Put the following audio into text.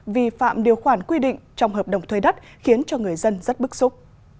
vi phạm điều khoản quy định trong hợp đồng thuê đất khiến cho người dân rất bức xúc